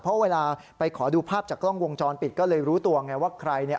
เพราะเวลาไปขอดูภาพจากกล้องวงจรปิดก็เลยรู้ตัวไงว่าใครเนี่ย